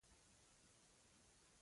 چیني غږ نه کاوه غلی و ډېر ارام.